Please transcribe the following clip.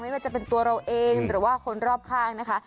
ไม่ว่าจะเป็นตัวเราเองหรือว่าคนรอบข้างนะคะ